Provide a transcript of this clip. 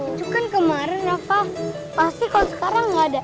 ini kan kemarin rafa pasti kalau sekarang gak ada